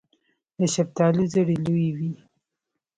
د شفتالو زړې لویې وي.